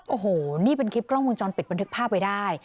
โอ้โหนี่เป็นคลิปกล้องวงจรปิดบันทึกภาพไว้ได้